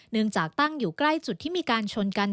จากตั้งอยู่ใกล้จุดที่มีการชนกัน